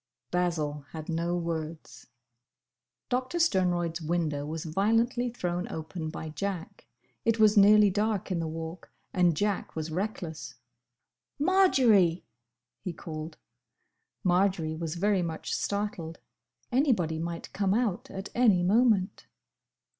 —" Basil had no words. Doctor Sternroyd's window was violently thrown open by Jack. It was nearly dark in the Walk, and Jack was reckless. "Marjory!" he called. Marjory was very much startled. Anybody might come out at any moment.